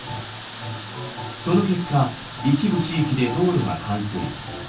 その結果一部地域で道路が冠水。